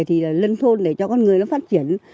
thì là lân thôn để cho con người nó phát triển